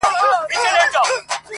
چي صوفي موږک ایله کړ په میدان کي-